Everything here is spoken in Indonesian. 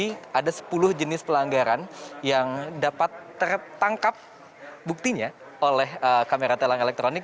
jadi ada sepuluh jenis pelanggaran yang dapat tertangkap buktinya oleh kamera telang elektronik